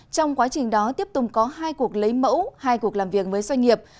trong quá trình đó tiếp tục có hai cuộc lấy mẫu hai cuộc làm việc mới doanh nghiệp